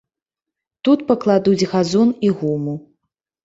Тут пакладуць газон і гуму.